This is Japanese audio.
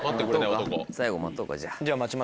最後待とうかじゃあ。